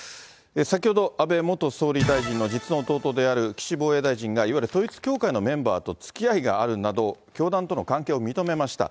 先ほど安倍元総理大臣の実の弟である岸防衛大臣が、いわゆる統一教会のメンバーとつきあいがあるなど、教団との関係を認めました。